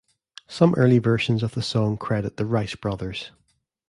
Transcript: Some early versions of the song credit the Rice Brothers.